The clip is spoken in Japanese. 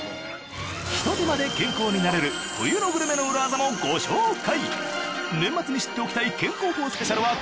ひと手間で健康になれる冬のグルメの裏ワザもご紹介。